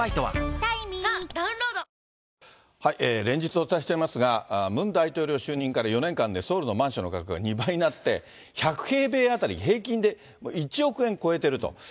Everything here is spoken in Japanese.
連日お伝えしていますが、ムン大統領就任から４年間でソウルのマンションの価格が２倍になって、１００平米当たり平均で１億円超えてると。